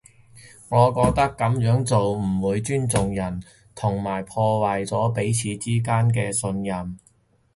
我覺得噉樣做會唔尊重人，同埋破壞咗彼此之間嘅信任